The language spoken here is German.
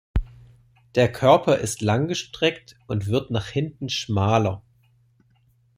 Der Körper ist langgestreckt und wird nach hinten schmaler.